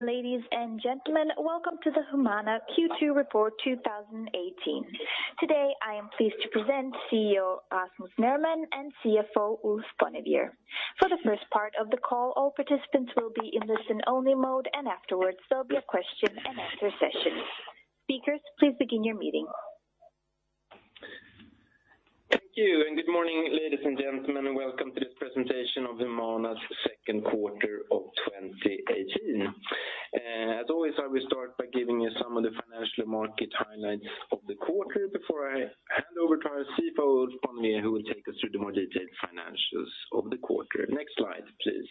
Ladies and gentlemen, welcome to the Humana Q2 Report 2018. Today, I am pleased to present CEO Rasmus Nerman and CFO Ulf Bonnevier. For the first part of the call, all participants will be in listen-only mode, and afterwards there will be a question and answer session. Speakers, please begin your meeting. Thank you, good morning, ladies and gentlemen. Welcome to this presentation of Humana's second quarter of 2018. As always, I will start by giving you some of the financial market highlights of the quarter before I hand over to our CFO, Ulf Bonnevier, who will take us through the more detailed financials of the quarter. Next slide, please.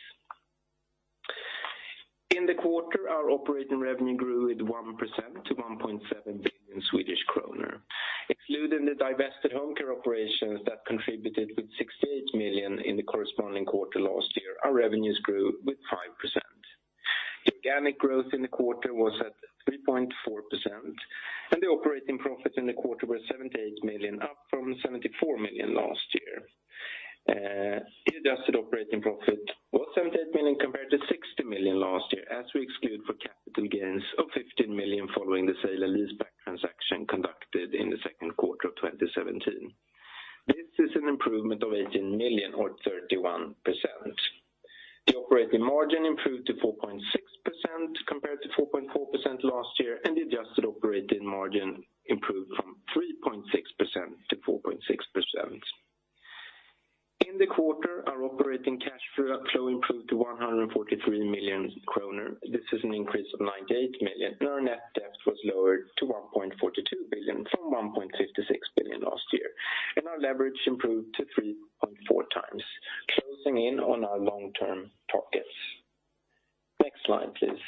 In the quarter, our operating revenue grew with 1% to 1.7 billion Swedish kronor. Excluding the divested home care operations that contributed with 68 million in the corresponding quarter last year, our revenues grew with 5%. Organic growth in the quarter was at 3.4%, the operating profits in the quarter were 78 million, up from 74 million last year. Adjusted operating profit was 78 million compared to 60 million last year, as we exclude for capital gains of 15 million following the sale and leaseback transaction conducted in the second quarter of 2017. This is an improvement of 18 million or 31%. The operating margin improved to 4.6% compared to 4.4% last year, the adjusted operating margin improved from 3.6% to 4.6%. In the quarter, our operating cash flow improved to 143 million kronor. This is an increase of 98 million, our net debt was lowered to 1.42 billion from 1.56 billion last year. Our leverage improved to 3.4 times, closing in on our long-term targets. Next slide, please.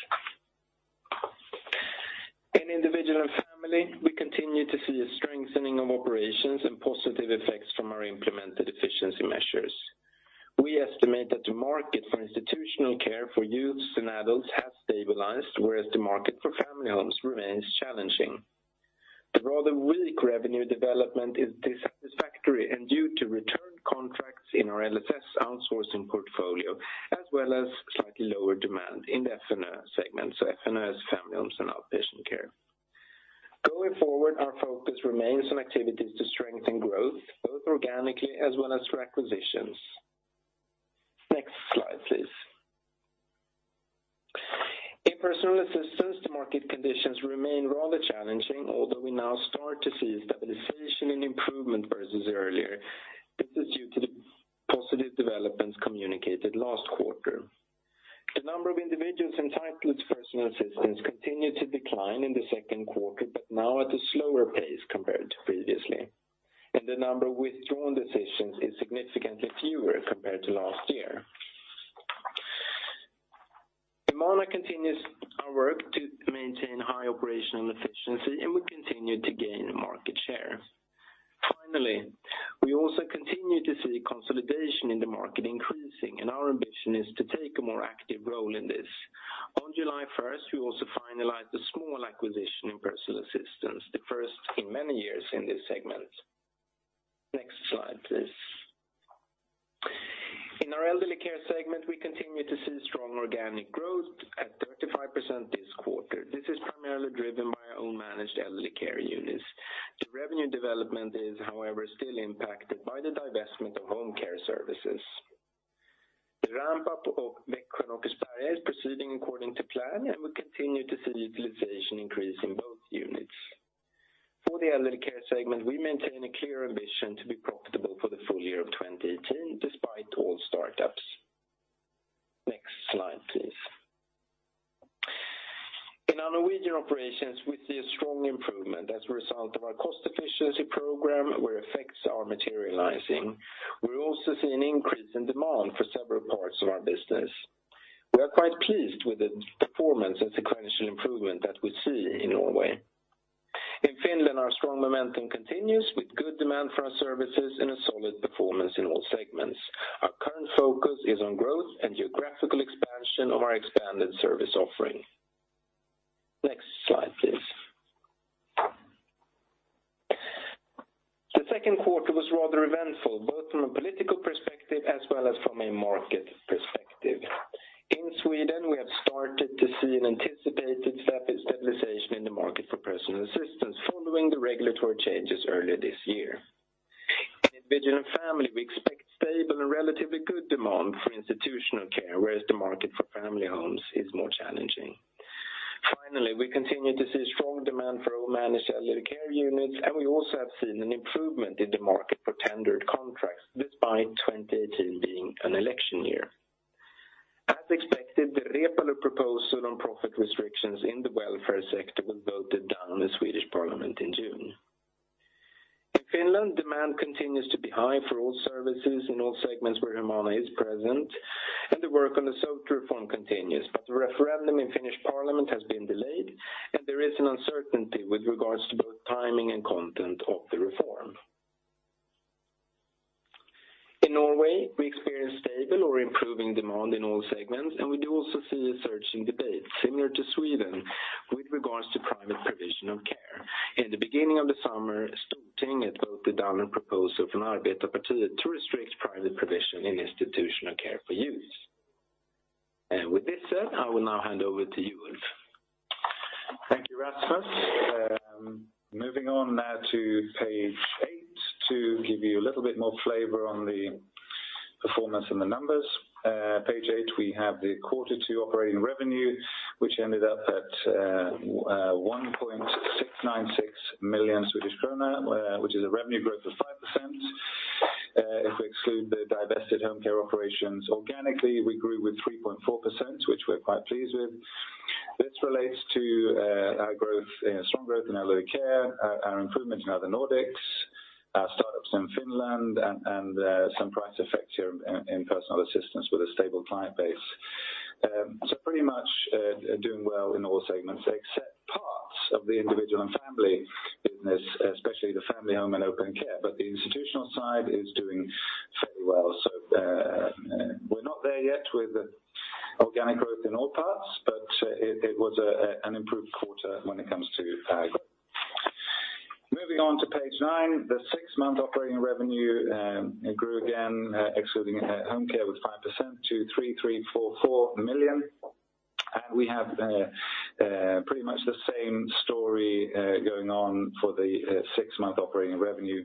In Individual & Family, we continue to see a strengthening of operations and positive effects from our implemented efficiency measures. We estimate that the market for institutional care for youths and adults has stabilized, whereas the market for family homes remains challenging. The rather weak revenue development is dissatisfactory and due to returned contracts in our LSS outsourcing portfolio, as well as slightly lower demand in the FNH segment. So FNH is family homes and outpatient care. Going forward, our focus remains on activities to strengthen growth, both organically as well as requisitions. Next slide, please. In personal assistance, the market conditions remain rather challenging, although we now start to see a stabilization and improvement versus earlier. This is due to the positive developments communicated last quarter. The number of individuals entitled to personal assistance continued to decline in the second quarter, but now at a slower pace compared to previously. The number of withdrawn decisions is significantly fewer compared to last year. Humana continues our work to maintain high operational efficiency, and we continue to gain market share. Finally, we also continue to see consolidation in the market increasing, and our ambition is to take a more active role in this. On July 1st, we also finalized a small acquisition in personal assistance, the first in many years in this segment. Next slide, please. In our elderly care segment, we continue to see strong organic growth at 35% this quarter. This is primarily driven by our own managed elderly care units. The revenue development is, however, still impacted by the divestment of home care services. With regards to private provision of care. In the beginning of the summer, starting at both the government proposal from Arbetarepartiet to restrict private provision in institutional care for youth. With this said, I will now hand over to Ulf. Thank you, Rasmus. Moving on now to page eight to give you a little bit more flavor on the performance and the numbers. Page eight, we have the quarter two operating revenue, which ended up at 1,696 million Swedish krona, which is a revenue growth of 5%. If we exclude the divested home care operations organically, we grew with 3.4%, which we're quite pleased with. This relates to our strong growth in elderly care, our improvement in Other Nordics, our startups in Finland, and some price effects here in personal assistance with a stable client base. Pretty much doing well in all segments except parts of the Individual & Family business, especially the family home and open care. The institutional side is doing fairly well. We're not there yet with organic growth in all parts, but it was an improved quarter when it comes to growth. Moving on to page nine, the six-month operating revenue, it grew again excluding home care with 5% to 3,344 million. We have pretty much the same story going on for the six-month operating revenue.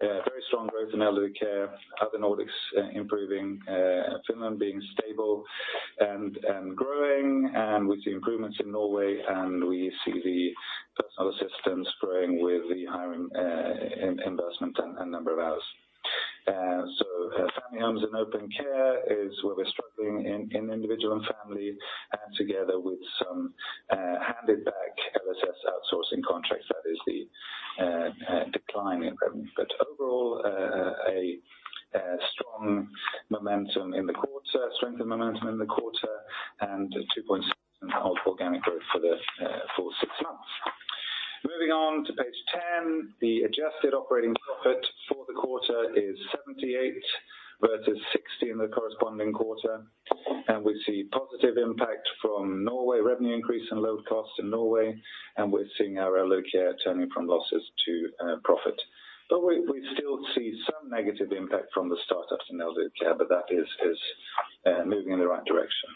Very strong growth in elderly care, Other Nordics improving, Finland being stable and growing, and we see improvements in Norway, and we see the personal assistance growing with the hiring, investment, and number of hours. Family homes and open care is where we're struggling in Individual & Family, and together with some handed back LSS outsourcing contracts, that is the decline in revenue. Overall, a strong strength and momentum in the quarter and 2.6% organic growth for the full six months. Moving on to page 10, the adjusted operating profit for the quarter is 78 versus 60 in the corresponding quarter, and we see positive impact from Norway revenue increase and lower cost in Norway, and we're seeing our elderly care turning from losses to profit. We still see some negative impact from the startups in elderly care, but that is moving in the right direction.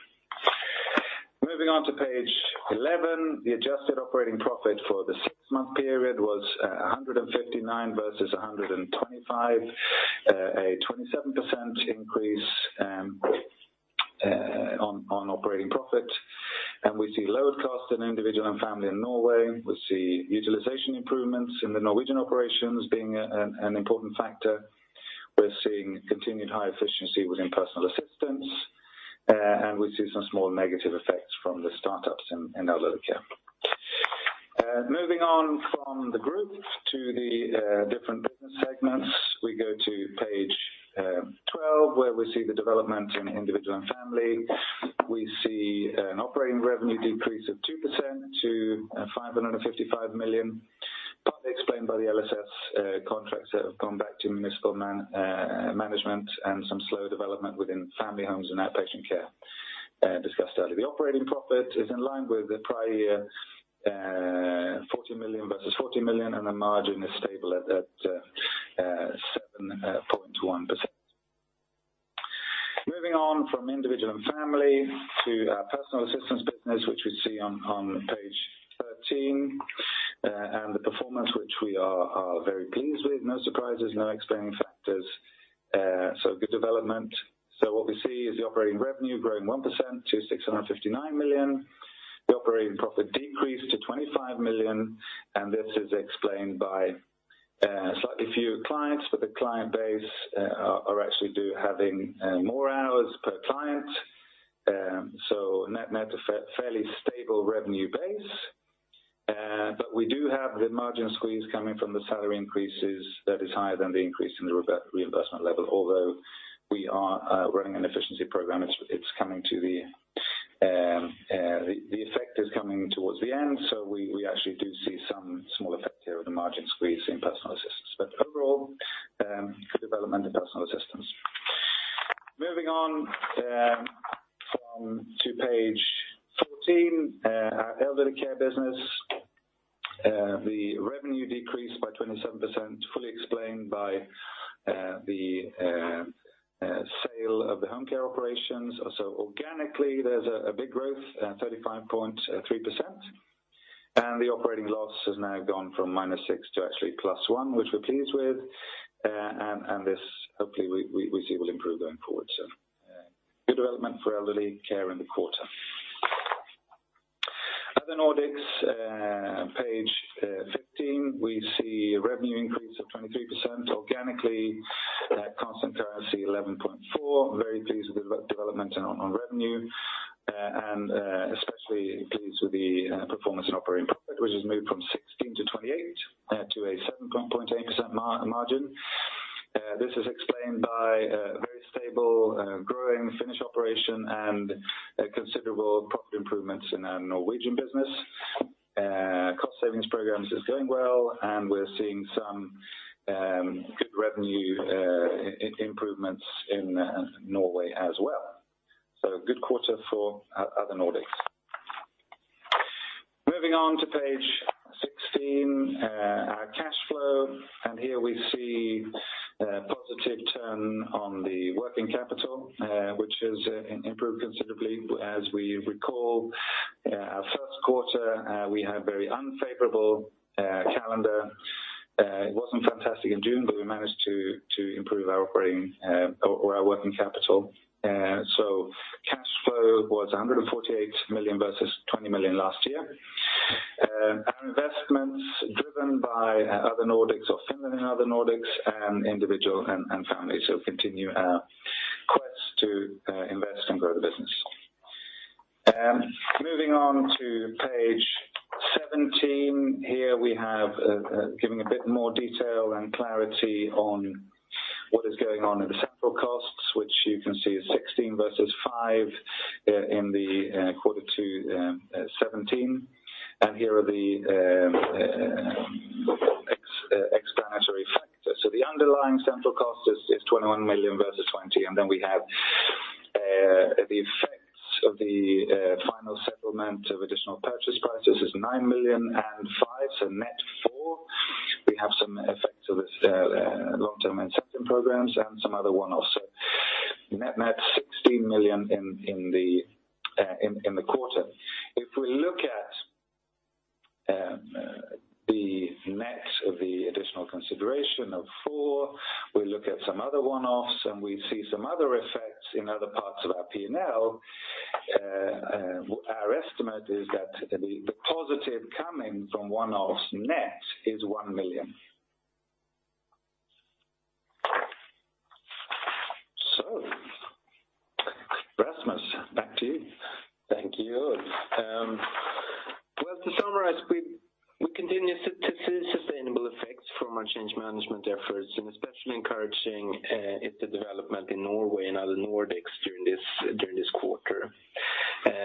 Moving on to page 11. The adjusted operating profit for the six-month period was 159 versus 125. A 27% increase on operating profit. We see lower cost in Individual & Family in Norway. We see utilization improvements in the Norwegian operations being an important factor. We're seeing continued high efficiency within personal assistance. We see some small negative effects from the startups in elderly care. Moving on from the group to the different business segments. We go to page 12 where we see the development in Individual & Family. We see an operating revenue decrease of 2% to 555 million, partly explained by the LSS contracts that have gone back to municipal management and some slow development within family homes and outpatient care discussed earlier. The operating profit is in line with the prior year, 40 million versus 40 million, and the margin is stable at 7.1%. Moving on from Individual & Family to personal assistance business, which we see on page 13. And the performance, which we are very pleased with, no surprises, no explaining factors. Good development. What we see is the operating revenue growing 1% to 659 million. The operating profit decreased to 25 million, and this is explained by slightly fewer clients, but the client base are actually having more hours per client. Net, a fairly stable revenue base. But we do have the margin squeeze coming from the salary increases that is higher than the increase in the reimbursement level. Although we are running an efficiency program, the effect is coming towards the end. We actually do see some small effects here of the margin squeeze in personal assistance. But overall, good development in personal assistance. Moving on to page 14, our elderly care business. The revenue decreased by 27%, fully explained by the sale of the home care operations. Organically, there's a big growth, 35.3%, and the operating loss has now gone from minus 6 million to actually plus 1 million, which we're pleased with. And this hopefully we see will improve going forward. Good development for elderly care in the quarter. Other Nordics, page 15. We see revenue increase of 23% organically, at constant currency 11.4%. Very pleased with the development on revenue, and especially pleased with the performance and operating profit, which has moved from 16 million to 28 million to a 7.8% margin. This is explained by a very stable growing Finnish operation and considerable profit improvements in our Norwegian business. Savings programs is going well, and we're seeing some good revenue improvements in Norway as well. A good quarter for Other Nordics. Moving on to page 16, our cash flow. And here we see a positive turn on the working capital, which has improved considerably. As we recall, our first quarter we had very unfavorable calendar. It wasn't fantastic in June, but we managed to improve our working capital. Cash flow was 148 million versus 20 million last year. Our investments driven by Other Nordics or Finland and Other Nordics and Individual & Family. Continue our quest to invest and grow the business. Moving on to page 17. Here we have given a bit more detail and clarity on what is going on in the central costs, which you can see is 16 million versus 5 million in the quarter to 17 million. And here are the explanatory factors. The underlying central cost is 21 million versus 20 million. And then we have the effects of the final settlement of additional purchase prices is 9 million and 5 million, so net 4 million. We have some effect of this long-term incentive programs and some other one-offs. Net 16 million in the quarter. If we look at the net of the additional consideration of 4 million, we look at some other one-offs and we see some other effects in other parts of our P&L. Our estimate is that the positive coming from one-offs net is 1 million. Rasmus, back to you. Thank you. Well, to summarize, we continue to see sustainable effects from our change management efforts and especially encouraging is the development in Norway and Other Nordics during this quarter.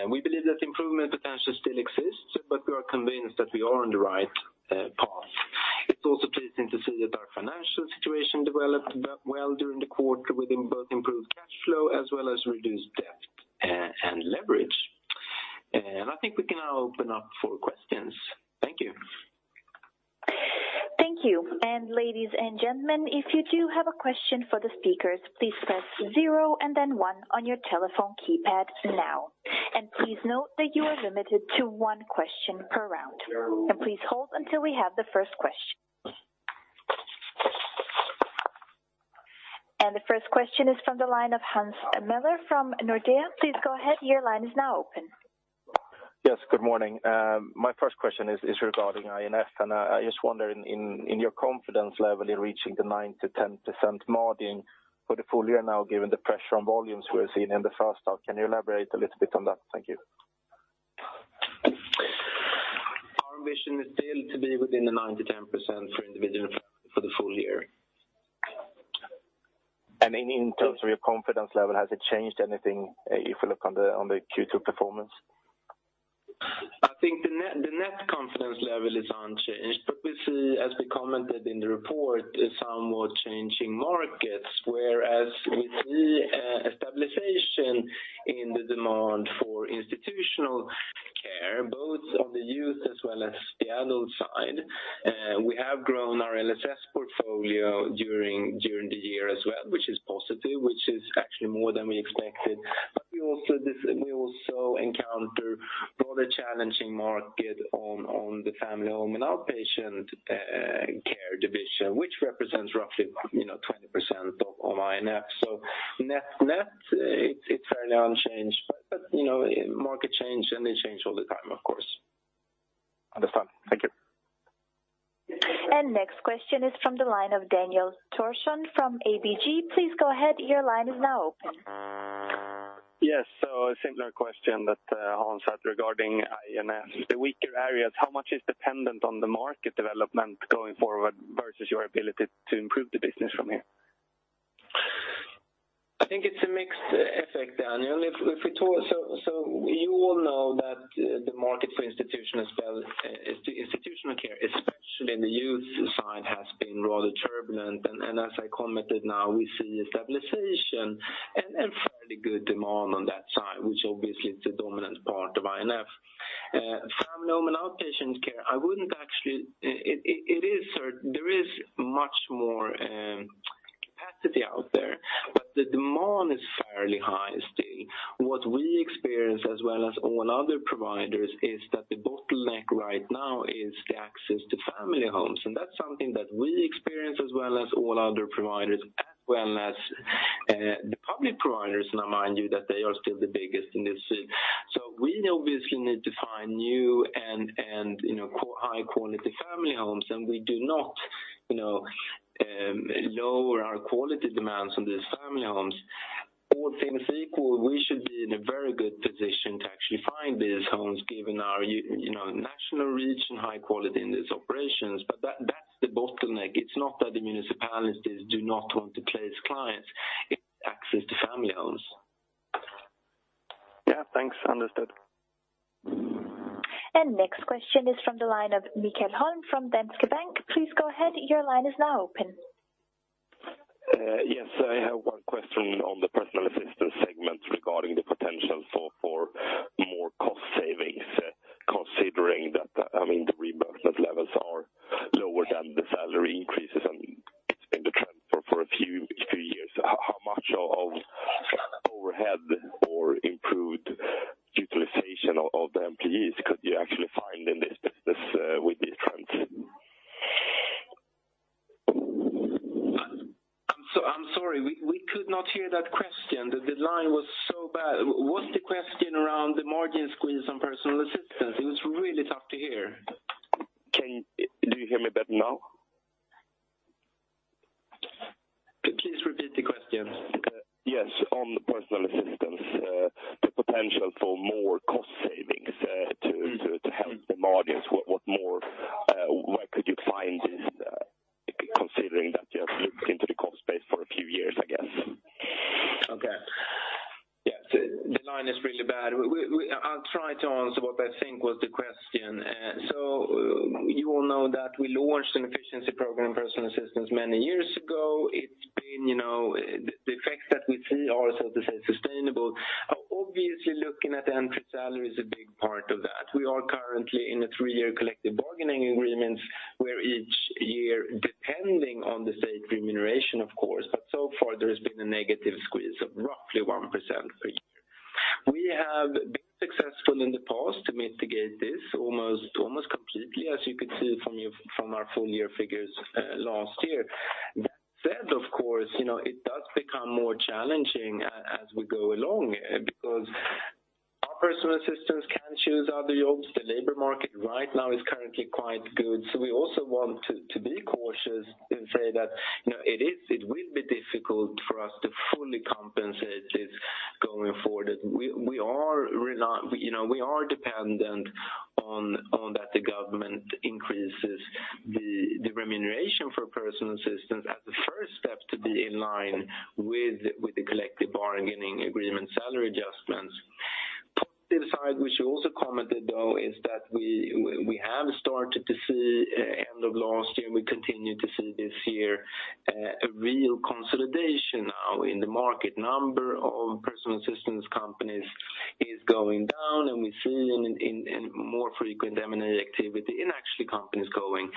We believe that improvement potential still exists, but we are convinced that we are on the right path. It's also pleasing to see that our financial situation developed well during the quarter with both improved cash flow as well as reduced debt and leverage. I think we can now open up for questions. Thank you. Thank you. Ladies and gentlemen, if you do have a question for the speakers, please press zero and then one on your telephone keypad now. Please note that you are limited to one question per round. Please hold until we have the first question. The first question is from the line of Hans Mähler from Nordea. Please go ahead, your line is now open. Yes, good morning. My first question is regarding INF and I just wonder in your confidence level in reaching the 9%-10% margin for the full year now given the pressure on volumes we're seeing in the first half. Can you elaborate a little bit on that? Thank you. Our ambition is still to be within the 9%-10% for individual for the full year. In terms of your confidence level, has it changed anything if you look on the Q2 performance? I think the net confidence level is unchanged. We see, as we commented in the report, somewhat changing markets, whereas we see a stabilization in the demand for institutional care, both on the youth as well as the adult side. We have grown our LSS portfolio during the year as well, which is positive, which is actually more than we expected. We also encounter a rather challenging market on the family home and outpatient care division, which represents roughly 20% of INF. Net, it's fairly unchanged. Market change and they change all the time, of course. Understand. Thank you. Next question is from the line of Daniel Thorsson from ABG. Please go ahead, your line is now open. Yes. A similar question that Hans had regarding I&F. The weaker areas, how much is dependent on the market development going forward versus your ability to improve the business from here? I think it's a mixed effect, Daniel. You all know that the market for institutional care, especially in the youth side, has been rather turbulent. As I commented now, we see stabilization and fairly good demand on that side, which obviously is the dominant part of I&F. Family home and outpatient care, there is much more capacity out there, but the demand is fairly high still. What we experience as well as all other providers is that the bottleneck right now is the access to family homes. That's something that we experience as well as all other providers, as well as the public providers, mind you, that they are still the biggest in this. We obviously need to find new and high-quality family homes, and we do not lower our quality demands on these family homes. All things equal, we should be in a very good position to actually find these homes given our national reach and high quality in these operations. That's the bottleneck. It's not that the municipalities do not want to place clients, it's access to family homes. Yeah, thanks. Understood. Next question is from the line of Michael Holm from Danske Bank. Please go ahead. Your line is now open. Yes. I have one question on the personal assistant segment regarding the potential for more cost savings, considering that the reimbursement levels are lower than the salary increases and it's been the trend for a few years. How much of overhead or improved utilization of the employees could you actually find in this business with this trend? I'm sorry. We could not hear that question. The line was so bad. Was the question around the margin squeeze on personal assistance? It was really tough to hear. Do you hear me better now? Please repeat the question. Yes. On the personal assistance, the potential for more cost savings to help the margins. Where could you find this considering that you have looked into the cost base for a few years, I guess? Okay. Yes. The line is really bad. I'll try to answer what I think was the question. You all know that we launched an efficiency program personal assistance many years ago. The effects that we see are, so to say, sustainable. Obviously, looking at entry salary is a big part of that. We are currently in a three-year collective bargaining agreement where each year, depending on the state remuneration, of course, but so far there has been a negative squeeze of roughly 1% per year. We have been successful in the past to mitigate this almost completely, as you could see from our full-year figures last year. That said, of course, it does become more challenging as we go along because our personal assistants can choose other jobs. The labor market right now is currently quite good. We also want to be cautious and say that it will be difficult for us to fully compensate this going forward. We are dependent on that the government increases the remuneration for personal assistants as the first step to be in line with the collective bargaining agreement salary adjustments. Positive side, which you also commented though, is that we have started to see end of last year, we continue to see this year a real consolidation now in the market. Number of personal assistance companies is going down, and we see more frequent M&A activity in actually companies going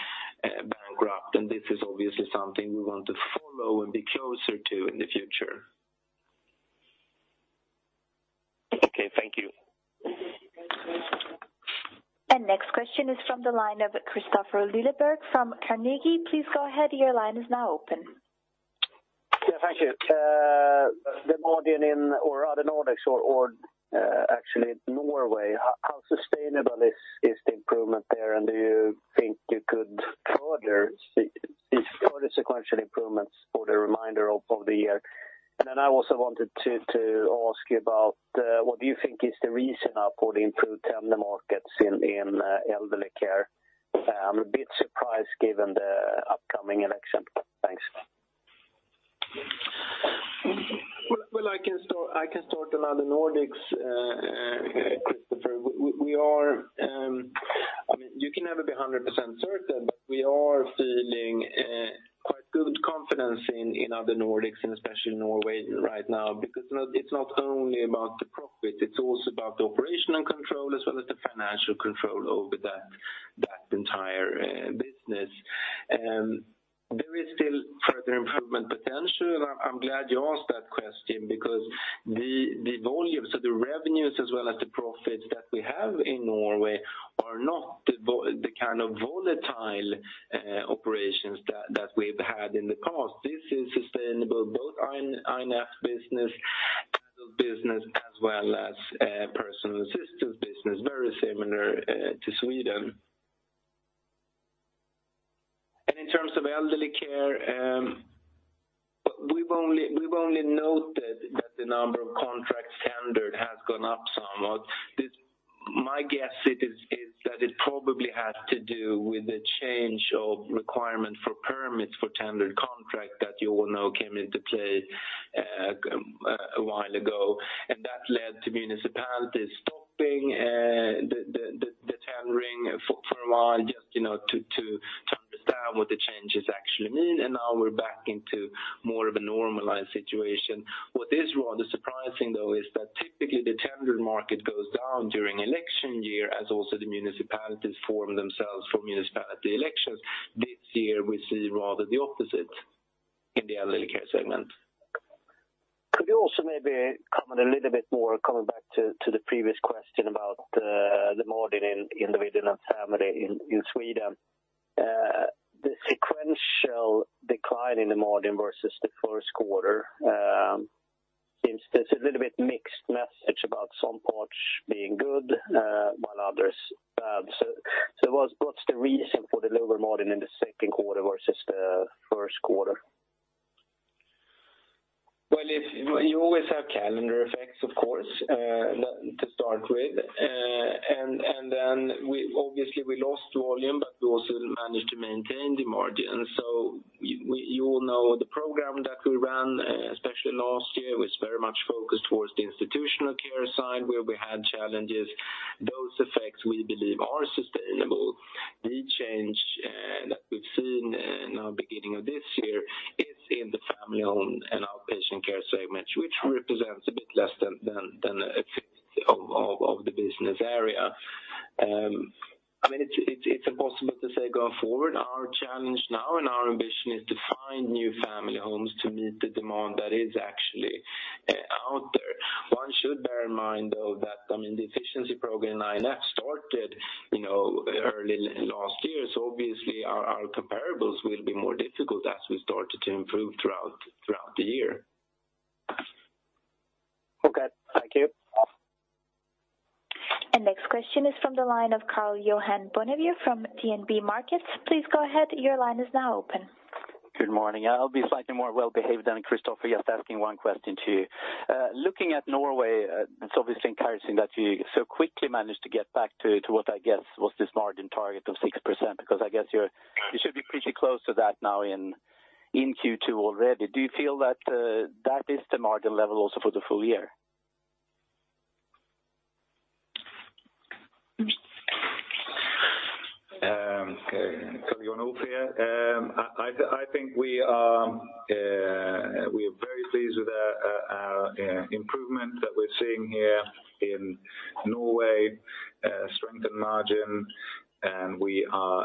bankrupt. This is obviously something we want to follow and be closer to in the future. Okay. Thank you. Next question is from the line of Kristofer Liljeberg from Carnegie. Please go ahead. Your line is now open. Yeah. Thank you. The margin in Other Nordics or actually Norway, how sustainable is the improvement there? Do you think you could see further sequential improvements for the remainder of the year? I also wanted to ask you about what do you think is the reason now for the improved tender markets in elderly care? I'm a bit surprised given the upcoming election. Thanks. Well, I can start on Other Nordics, Kristofer. You can never be 100% certain, but we are feeling quite good confidence in Other Nordics and especially Norway right now, because it's not only about the profit, it's also about the operational control as well as the financial control over that entire business. There is still further improvement potential, and I'm glad you asked that question because the volumes of the revenues as well as the profits that we have in Norway are not the kind of volatile operations that we've had in the past. This is sustainable, both I&F business, adult business as well as personal assistance business, very similar to Sweden. In terms of elderly care, we've only noted that the number of contracts tendered has gone up somewhat. My guess is that it probably has to do with the change of requirement for permits for tendered contract that you all know came into play a while ago. That led to municipalities stopping the tendering for a while just to understand what the changes actually mean. Now we're back into more of a normalized situation. What is rather surprising though is that typically the tendered market goes down during election year as also the municipalities form themselves for municipality elections. This year, we see rather the opposite in the elderly care segment. Could you also maybe comment a little bit more, coming back to the previous question about the margin in the Individual and Family in Sweden. The sequential decline in the margin versus the first quarter seems there's a little bit mixed message about some parts being good while others bad. What's the reason for the lower margin in the second quarter versus the first quarter? Well, you always have calendar effects, of course, to start with. Then obviously we lost volume, but we also managed to maintain the margin. You all know the program that we ran, especially last year, was very much focused towards the institutional care side where we had challenges. Those effects we believe are sustainable. The change that we've seen in our beginning of this year is in the family home and outpatient care segment, which represents a bit less than a fifth of the business area. It's impossible to say going forward. Our challenge now and our ambition is to find new family homes to meet the demand that is actually out there. One should bear in mind, though, that the efficiency program started early last year. Obviously our comparables will be more difficult as we start to improve throughout the year. Okay, thank you. Next question is from the line of Karl-Johan Bonnevier from DNB Markets. Please go ahead. Your line is now open. Good morning. I'll be slightly more well-behaved than Kristofer. Just asking one question to you. Looking at Norway, it's obviously encouraging that you so quickly managed to get back to what I guess was this margin target of 6%, because I guess you should be pretty close to that now in Q2 already. Do you feel that is the margin level also for the full year? Karl-Johan, Ulf here. I think we are very pleased with our improvement that we're seeing here in Norway, strength in margin, and we are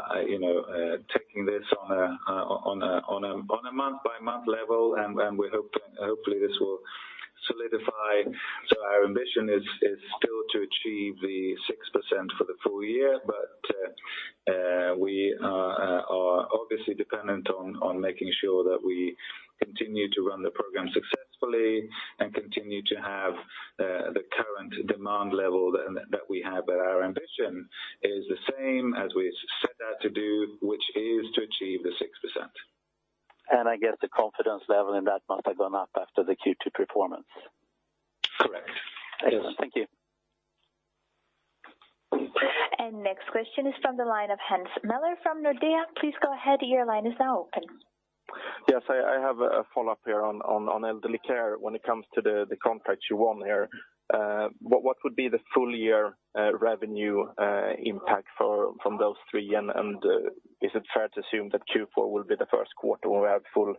taking this on a month-by-month level, and hopefully this will solidify. Our ambition is still to achieve the 6% for the full year. We are obviously dependent on making sure that we continue to run the program successfully and continue to have the current demand level that we have. Our ambition is the same as we set out to do, which is to achieve the 6%. I guess the confidence level in that must have gone up after the Q2 performance. Correct. Yes. Thank you. Next question is from the line of Hans Mähler from Nordea. Please go ahead. Your line is now open. Yes. I have a follow-up here on Elderly Care when it comes to the contracts you won here. What would be the full-year revenue impact from those three? Is it fair to assume that Q4 will be the first quarter where we have full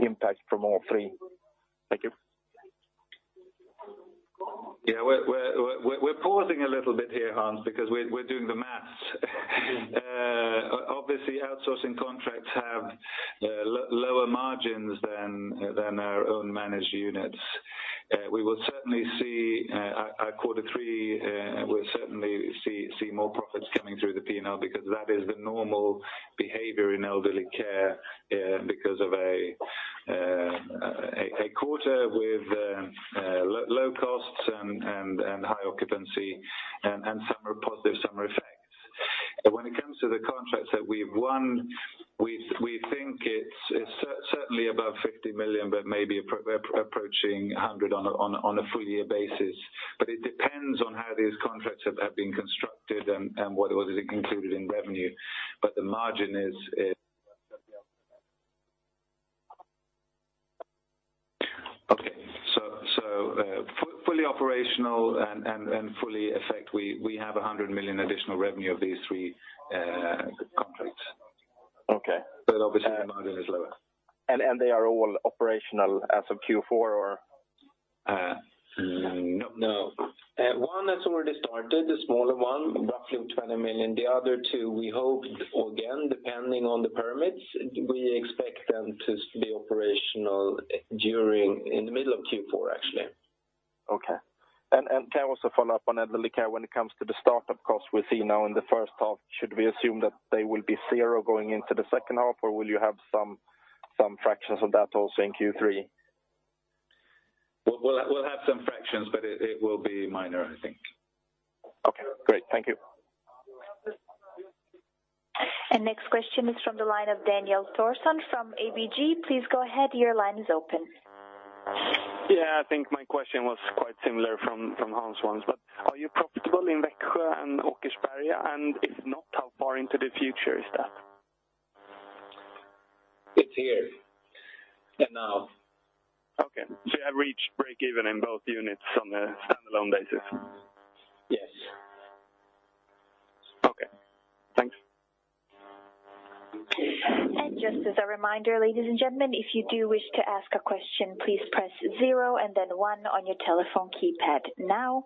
impact from all three? Thank you. Yeah. We're pausing a little bit here, Hans, because we're doing the math. Obviously, outsourcing contracts have lower margins than our own managed units. We will certainly see at quarter three, we'll certainly see more profits coming through the P&L because that is the normal behavior in Elderly Care because of a quarter with low costs and high occupancy and some positive summer effects. When it comes to the contracts that we've won, we think it's certainly above 50 million, but maybe approaching 100 million on a full-year basis. It depends on how these contracts have been constructed and whether it was included in revenue. The margin is Okay. Fully operational and fully effect, we have 100 million additional revenue of these three contracts. Okay. Obviously the margin is lower. They are all operational as of Q4 or? No. 1 has already started, the smaller one, roughly 20 million. The other two, we hope, again, depending on the permits, we expect them to be operational in the middle of Q4, actually. Can I also follow up on Elderly Care when it comes to the start-up costs we see now in the first half. Should we assume that they will be zero going into the second half, or will you have some fractions of that also in Q3? We will have some fractions, but it will be minor, I think. Okay, great. Thank you. Next question is from the line of Daniel Thorsson from ABG. Please go ahead. Your line is open. I think my question was quite similar from Hans Mähler's. Are you profitable in Växjö and Åkersberga? If not, how far into the future is that? It's here and now. You have reached break-even in both units on a standalone basis? Yes. Okay, thanks. Just as a reminder, ladies and gentlemen, if you do wish to ask a question, please press zero and then one on your telephone keypad now,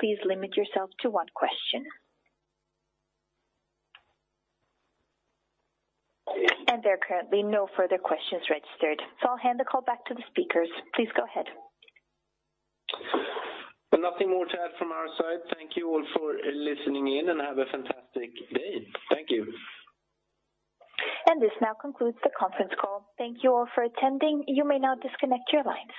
please limit yourself to one question. There are currently no further questions registered, so I'll hand the call back to the speakers. Please go ahead. Nothing more to add from our side. Thank you all for listening in, have a fantastic day. Thank you. This now concludes the conference call. Thank you all for attending. You may now disconnect your lines.